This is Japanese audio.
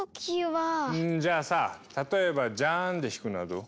んじゃあさ例えばジャーンで弾くのはどう？